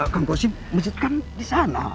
kang gosip masjid kan di sana